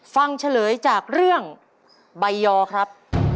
ฟังเฉลยจากเรื่องบัยยอครับ